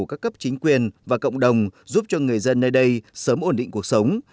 các cấp chính quyền và cộng đồng giúp cho người dân nơi đây sớm ổn định cuộc sống